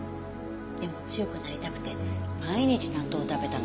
でも強くなりたくて毎日納豆を食べたの。